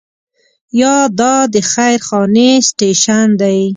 یا دا د خیر خانې سټیشن دی.